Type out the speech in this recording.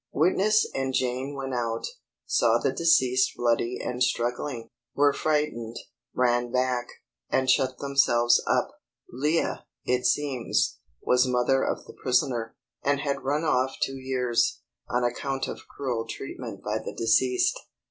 Witness and Jane went out, saw the deceased bloody and struggling, were frightened, ran back, and shut themselves up. Leah, it seems, was mother of the prisoner, and had run off two years, on account of cruel treatment by the deceased.